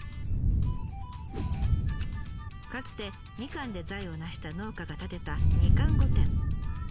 かつてみかんで財を成した農家が建てたみかん御殿。